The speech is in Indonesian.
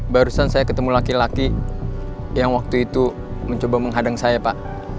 barusan saya ketemu laki laki yang waktu itu mencoba menghadang saya pak